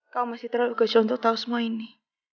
kamu masih terlalu gosong untuk tahu semua ini